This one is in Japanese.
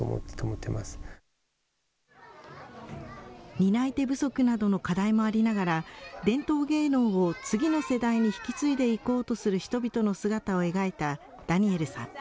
担い手不足などの課題もありながら、伝統芸能を次の世代に引き継いでいこうとする人々の姿を描いたダニエルさん。